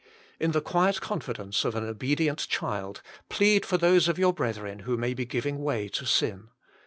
In the quiet confidence of an obedient child plead for those of your brethren who may be giving way to sin.